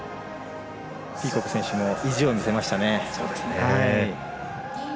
ピーコック選手も意地を見せましたね。